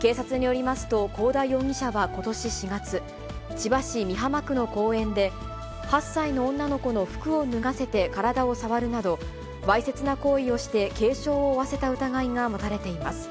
警察によりますと、幸田容疑者はことし４月、千葉市美浜区の公園で、８歳の女の子の服を脱がせて体を触るなど、わいせつな行為をして軽傷を負わせた疑いが持たれています。